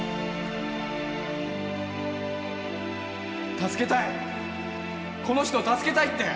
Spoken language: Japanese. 助けたいこの人を助けたいって